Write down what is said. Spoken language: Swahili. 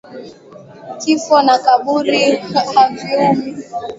Kifo na kaburi haviumi